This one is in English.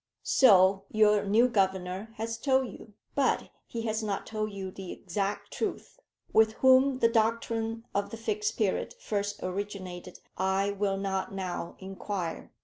"So your new Governor has told you, but he has not told you the exact truth. With whom the doctrine of the Fixed Period first originated, I will not now inquire.